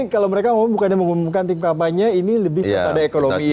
kalau mereka bukan mengumumkan tim kampanye ini lebih pada ekonomi